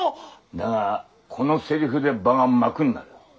だがこのセリフで場が幕になる。